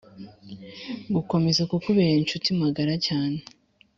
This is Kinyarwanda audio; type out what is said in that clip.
gukomeza kukubera incuti magara cyane